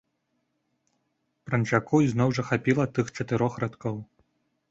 Пранчаку ізноў жа хапіла тых чатырох радкоў.